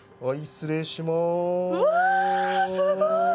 うわあ、すごい！